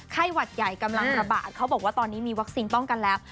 ไข้หวัดใหญ่กำลังระบาดเขาบอกว่าตอนนี้มีวัคซีนป้องกันแล้ว